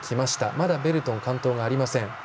まだベルトンは完登ありません。